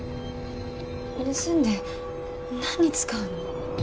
盗んで何に使うの？